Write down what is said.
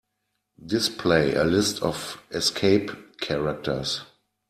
Display a list of escape characters.